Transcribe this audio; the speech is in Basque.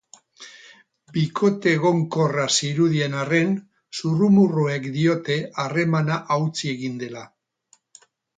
Bikote egonkorra zirudien arren, zurrumurruek diote harremana hautsi egin dela.